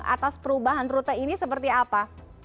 atas perubahan rute ini seperti apa